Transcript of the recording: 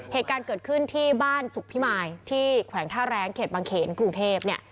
เหตุการณ์เกิดขึ้นที่บ้านสุขพิมายที่แขวงท่าแรงเขตบางเขนกรุงเทพเนี่ย